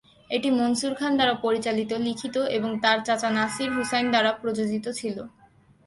এটি মনসুর খান দ্বারা পরিচালিত, লিখিত এবং তার চাচা নাসির হুসাইন দ্বারা প্রযোজিত ছিলো।